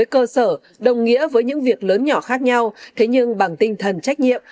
cơ sở đồng nghĩa với những việc lớn nhỏ khác nhau thế nhưng bằng tinh thần trách nhiệm